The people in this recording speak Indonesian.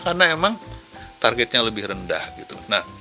karena memang targetnya lebih rendah gitu